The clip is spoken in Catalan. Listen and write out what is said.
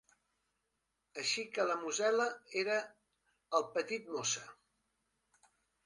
Així que la "Mosella" era el "petit Mosa".